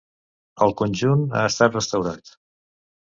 El conjunt ha estat restaurat.